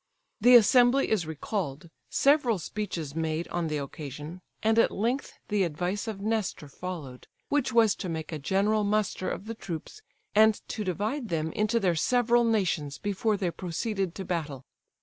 The assembly is recalled, several speeches made on the occasion, and at length the advice of Nestor followed, which was to make a general muster of the troops, and to divide them into their several nations, before they proceeded to battle.